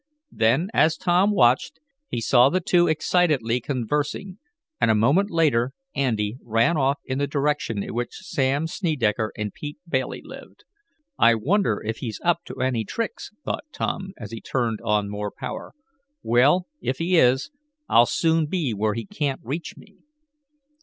Then, as Tom watched, he saw the two excitedly conversing, and a moment later Andy ran off in the direction in which Sam Snedecker and Pete Bailey lived. "I wonder if he's up to any tricks?" thought Tom, as he turned on more power. "Well, if he is, I'll soon be where he can't reach me."